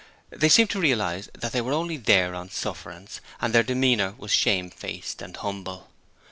They seemed to realize that they were there only on sufferance, and their demeanour was shamefaced and humble.